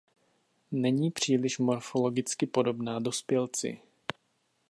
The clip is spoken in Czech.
Není příliš morfologicky podobná dospělci.